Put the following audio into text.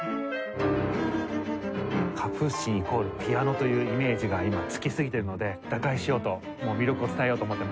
「カプースチン＝ピアノ」というイメージが今付きすぎてるので打開しようと魅力を伝えようと思ってます。